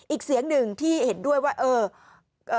อีกเสียงหนึ่งที่เห็นด้วยว่าเออ